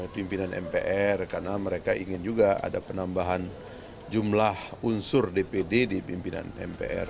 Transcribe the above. pimpinan mpr karena mereka ingin juga ada penambahan jumlah unsur dpd di pimpinan mpr